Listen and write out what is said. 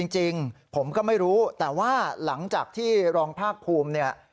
จริงผมก็ไม่รู้แต่ว่าหลังจากที่รองภาคภูมิเนี่ย